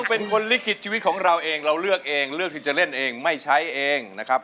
เป็นคนลิขิตชีวิตของเราเองเราเลือกเองเลือกที่จะเล่นเองไม่ใช้เองนะครับ